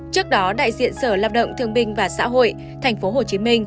trước đó đại diện sở lao động thương binh và xã hội tp hcm